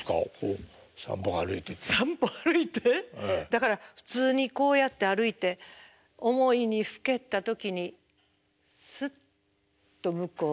だから普通にこうやって歩いて思いにふけた時にスッと向こうの下手を見る。